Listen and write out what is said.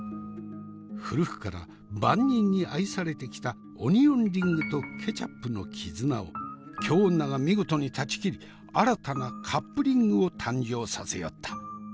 古くから万人に愛されてきたオニオンリングとケチャップの絆を京女が見事に断ち切り新たなカップリングを誕生させよった。